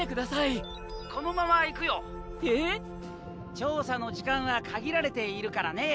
調査の時間は限られているからね。